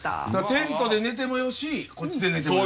テントで寝てもよしこっちで寝てもよし。